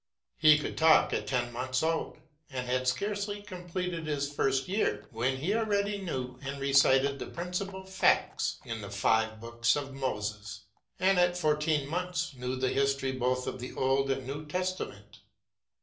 He could talk at ten months Id, and had scarcely completed his first year, .vhen he already knew and recited the princi aal facts in the five books of Moses, and at 'ourteen months knew the history, both of the 31d and New Testament.